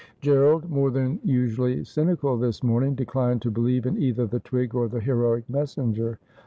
Gerald, more than usually cynical this morning, declined to believe in either the twig or the heroic messenger.